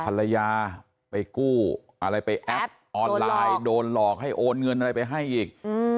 ภรรยาไปกู้อะไรไปแอปออนไลน์โดนหลอกให้โอนเงินอะไรไปให้อีก